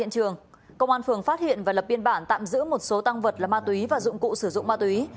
hiện trường công an phường phát hiện và lập biên bản tạm giữ một số tăng vật là ma túy và dụng cụ sử dụng ma túy